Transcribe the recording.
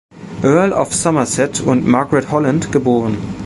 Earl of Somerset und Margaret Holland geboren.